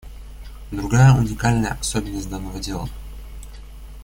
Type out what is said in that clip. Другая уникальная особенность данного дела.